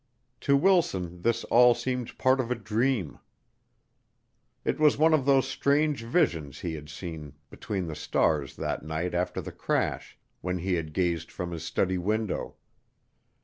To Wilson this all seemed part of a dream. It was one of those strange visions he had seen between the stars that night after the crash when he had gazed from his study window.